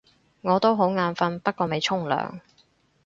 我都好眼瞓，不過未沖涼